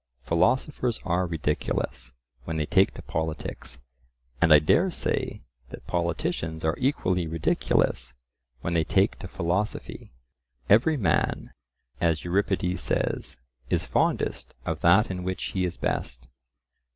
Philosophers are ridiculous when they take to politics, and I dare say that politicians are equally ridiculous when they take to philosophy: "Every man," as Euripides says, "is fondest of that in which he is best."